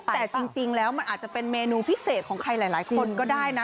แต่จริงแล้วมันอาจจะเป็นเมนูพิเศษของใครหลายคนก็ได้นะ